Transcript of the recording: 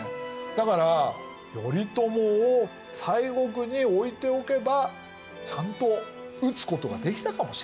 だから頼朝を西国に置いておけばちゃんと討つことができたかもしれない。